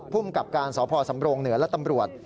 ภูมิกับการสพสำรงเหนือและตำรวจ